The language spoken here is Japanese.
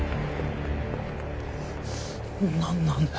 何なんだよ